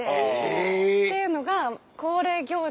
えぇ。っていうのが恒例行事。